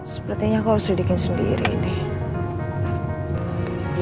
sepertinya aku harus didikin sendiri nek